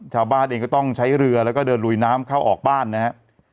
ชาวบ้านเองก็ต้องใช้เรือแล้วก็เดินลุยน้ำเข้าออกบ้านนะครับ